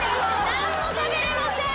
何も食べれません。